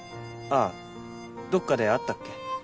ああどっかで会ったっけ？